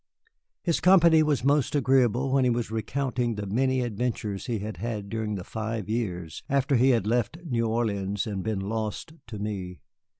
His company was most agreeable when he was recounting the many adventures he had had during the five years after he had left New Orleans and been lost to me.